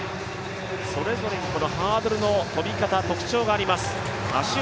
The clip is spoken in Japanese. それぞれにハードルの跳び方、特徴があります。